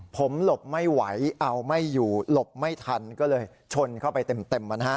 ผมหลบไม่ไหวเอาไม่อยู่หลบไม่ทันก็เลยชนเข้าไปเต็มนะฮะ